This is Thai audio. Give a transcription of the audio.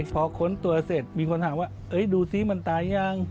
พอค้นตัวเสร็จมีคนถามว่าดูซิมันตายยัง